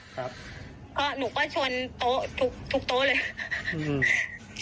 เพราะหนูก็ชนโต๊ะทุกโต๊ะเลย